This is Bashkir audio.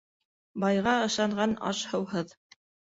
Байға ышанған аш-һыуһыҙ